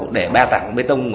để ba tảng bê tông